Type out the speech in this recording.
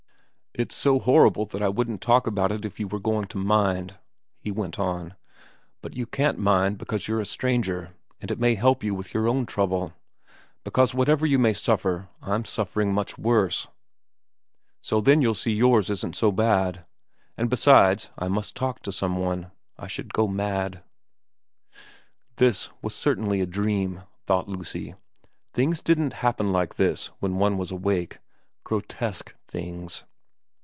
4 It's so horrible that I wouldn't talk about it if you were going to mind,' he went on, ' but you can't mind because you're a stranger, and it may help you with your own trouble, because whatever you may suffer I'm suffering much worse, so then you'll see yours isn't so bad. And besides I must talk to some one I should go mad ' This was certainly a dream, thought Lucy. Things didn't happen like this when one was awake, grotesque things.